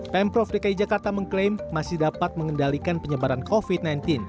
pemprov dki jakarta mengklaim masih dapat mengendalikan penyebaran covid sembilan belas